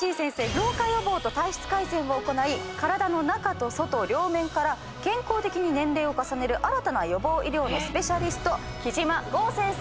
老化予防と体質改善を行い体の中と外両面から健康的に年齢を重ねる新たな予防医療のスペシャリスト木島豪先生です。